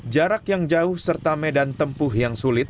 jarak yang jauh serta medan tempuh yang sulit